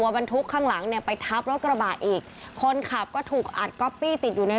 บรรทุกข้างหลังเนี่ยไปทับรถกระบะอีกคนขับก็ถูกอัดก๊อปปี้ติดอยู่ใน